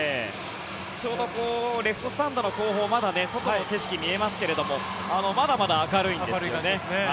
ちょうどレフトスタンドの後方外の景色が見えますがまだまだ明るいんですよね。